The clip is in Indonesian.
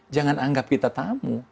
jangan anggap kita tamu